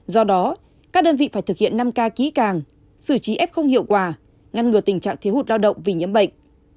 do đó các đơn vị phải thực hiện năm ca ký càng xử trí ép không hiệu quả ngăn ngừa tình trạng thiếu hụt lao động vì nhiễm bệnh